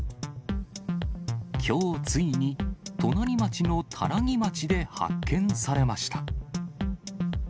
きょう、ついに隣町の多良木町で発見されました。